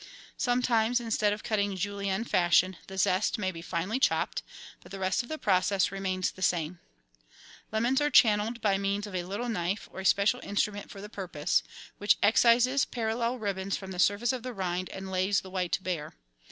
Sometimes, instead of cutting julienne fashion, the zest may be finely chopped, but the rest of the process remains the same. 74 GUIDE TO MODERN COOKERY Lemons are channelled by means of a little knife, or a special instrument for the purpose, which excises parallel ribbons from the surface of the rind and lays the white bare.